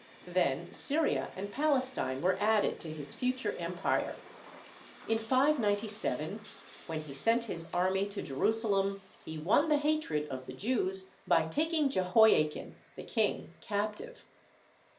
Then Syria and Palestine were added to his future empire. In 597, when he sent his army to Jerusalem, he won the hatred of the Jews by taking Jehoiakin, the King, captive.